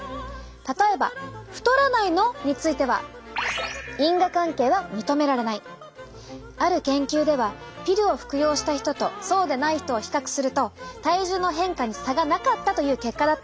例えば「太らないの？」についてはある研究ではピルを服用した人とそうでない人を比較すると体重の変化に差がなかったという結果だったんです。